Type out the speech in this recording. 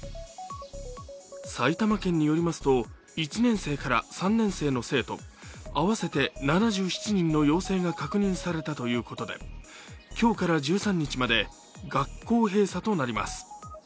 埼玉県によりますと１年生から３年生の生徒合わせて７７人の陽性が確認されたということで今日から１３日まで学校閉鎖となります。